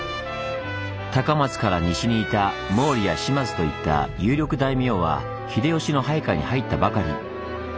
高松から西にいた毛利や島津といった有力大名は秀吉の配下に入ったばかり。